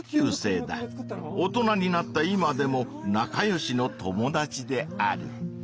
大人になった今でも仲良しの友だちである。